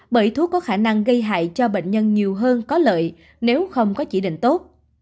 bởi thuốc có khả năng gây hại cho bệnh nhân nhiều hơn có lợi nếu không có chỉ định tốt